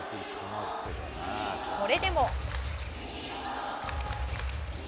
それでも。